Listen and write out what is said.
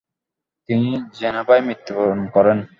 তিনি জেনেভায় মৃত্যুবরণ করেন।